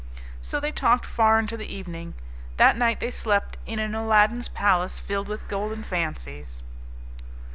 So they talked far into the evening. That night they slept in an Aladdin's palace filled with golden fancies.